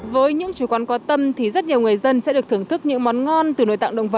với những chú quán có tâm thì rất nhiều người dân sẽ được thưởng thức những món ngon từ nội tạng động vật